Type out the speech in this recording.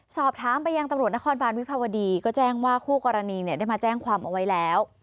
สอบถามไปยังตำรวจนครบานวิภาวดีก็แจ้งว่าคู่กรณีเนี่ยได้มาแจ้งความเอาไว้แล้ว